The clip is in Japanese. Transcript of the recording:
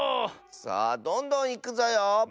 さあどんどんいくぞよ！